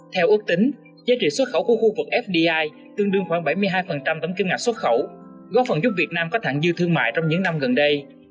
theo ước tính giá trị xuất khẩu của khu vực fdi tương đương khoảng bảy mươi hai tổng kim ngạch xuất khẩu góp phần giúp việt nam có thẳng dư thương mại trong những năm gần đây